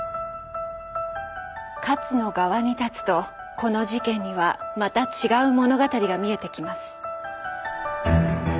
勝の側に立つとこの事件にはまた違う物語が見えてきます。